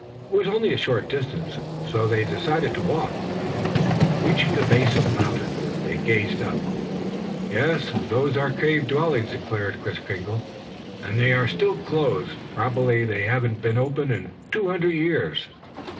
It was only a short distance, so they decided to walk. Reaching the base of the mountain they gazed up. "Yes, those are cave dwellings," declared Kris Kringle. "And they are still closed. Probably they haven't been opened in two hundred years."